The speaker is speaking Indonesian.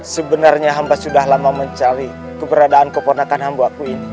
sebenarnya hamba sudah lama mencari keberadaan keponakan hamba aku ini